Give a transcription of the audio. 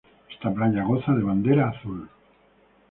Esta playa goza de bandera azul.